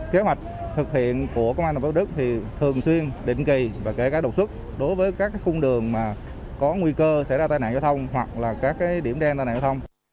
kế hoạch thực hiện của công an thành phố đức thì thường xuyên định kỳ và kể cả đầu xuất đối với các khung đường có nguy cơ xảy ra tai nạn giao thông hoặc là các điểm đen tai nạn giao thông